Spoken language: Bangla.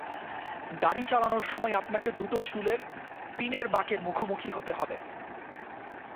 গাড়ি চালানোর সময় আপনাকে দুটো চুলের পিনের বাঁকের মুখোমুখি হতে হবে।